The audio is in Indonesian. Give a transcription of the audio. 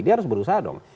dia harus berusaha dong